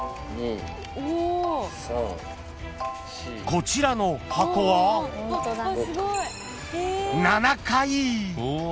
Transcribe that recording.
［こちらの箱は７回！］